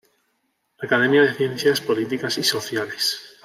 Academia de Ciencias Políticas y Sociales.